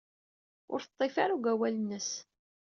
Ur teḍḍif ara deg wawal-nnes.